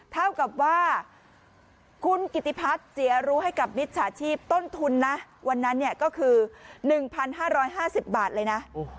เท่ากับว่าคุณกิติพัฒน์เสียรู้ให้กับมิจฉาชีพต้นทุนนะวันนั้นก็คือ๑๕๕๐บาทเลยนะ